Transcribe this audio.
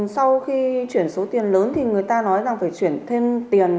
sau khi chuyển số tiền lớn thì người ta nói rằng phải chuyển thêm tiền